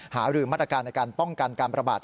หารือมาตรการในการป้องกันการประบาด